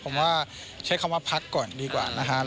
ผมว่าใช้คำว่าพักก่อนดีกว่านะครับ